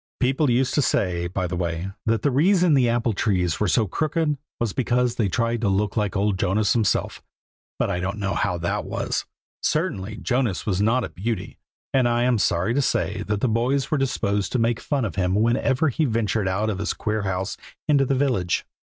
People used to say, by the way, that the reason these apple trees were so crooked, was because they tried to look like old Jonas himself; but I don't know how that was. Certainly, Jonas was not a beauty, and I am sorry to say the boys were disposed to make fun of him whenever he ventured out of his queer house into the village.